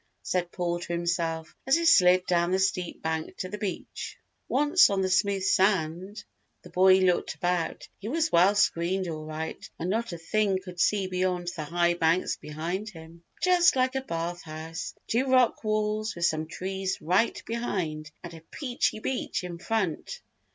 said Paul to himself as he slid down the steep bank to the beach. Once on the smooth sand the boy looked about. He was well screened all right, and not a thing could he see beyond the high banks behind him. "Just like a bath house. Two rock walls, with some trees right behind and a peachy beach in front!